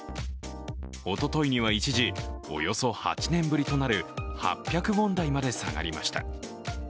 おとといには一時、およそ８年ぶりとなる８００ウォン台まで下がりました。